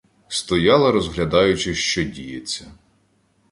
Стояла, розглядаючи, що діється.